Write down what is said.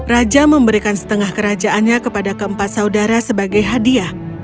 raja memberikan setengah kerajaannya kepada keempat saudara sebagai hadiah